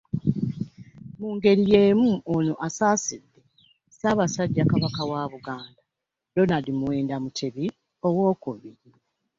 Mu ngeri y'emu ono asaasidde Ssaabasajja Kabaka wa Buganda, Roanld Muwenda Mutebi owookubiri